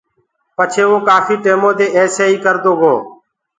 پڇي وو ڪآڦي ٽيمودي ايسي ئي ڪردو گو۔